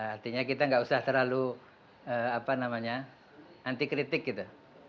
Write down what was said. artinya kita nggak usah terlalu anti kritik gitu